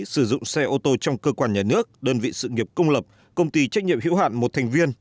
sử dụng xe ô tô trong cơ quan nhà nước đơn vị sự nghiệp công lập công ty trách nhiệm hữu hạn một thành viên